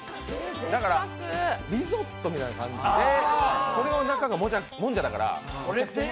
リゾットみたいな感じで、それで中がもんじゃだから。